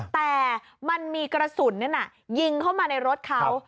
แต่มันมีกระสุนนั้นยิงเข้ามาในรถเขา